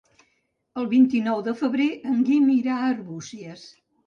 El vint-i-nou de febrer en Guim irà a Arbúcies.